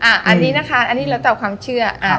อันนี้นะคะอันนี้แล้วแต่ความเชื่อ